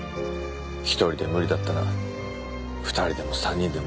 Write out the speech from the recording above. １人で無理だったら２人でも３人でも使えばいい。